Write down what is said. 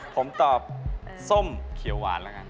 ผมตอบส้มเขียวหวานแล้วกัน